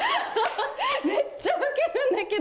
めっちゃウケるんだけど。